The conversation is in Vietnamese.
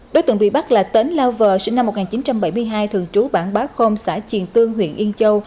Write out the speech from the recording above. đối tượng bị bắt là tến lau vờ sinh năm một nghìn chín trăm bảy mươi hai thường trú bảng bác khôm xã triền tương huyện yên châu